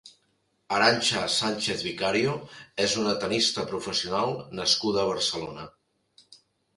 Arantxa Sánchez Vicario és una tennista professional nascuda a Barcelona.